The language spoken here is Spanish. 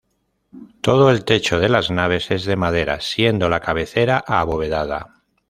Todo el techo de las naves es de madera, siendo la cabecera abovedada.